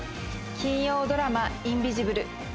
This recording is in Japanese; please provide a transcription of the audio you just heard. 金曜ドラマ「インビジブル」